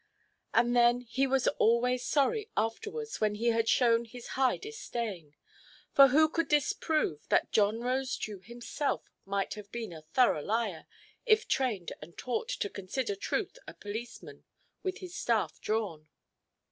And then he was always sorry afterwards when he had shown his high disdain. For who could disprove that John Rosedew himself might have been a thorough liar, if trained and taught to consider truth a policeman with his staff drawn?